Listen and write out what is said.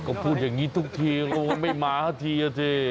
ก็พูดอย่างนี้ทุกทีก็ไม่มาสักทีอ่ะสิ